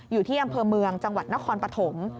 อยู่ที่อำเภอเมืองจังหวัดนครปฐม